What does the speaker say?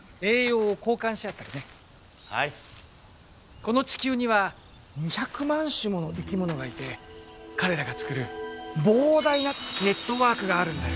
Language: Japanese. この地球には２００万種もの生き物がいて彼らが作る膨大なネットワークがあるんだよ。